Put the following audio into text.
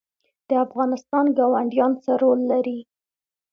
د افغانستان ګاونډیان څه رول لري؟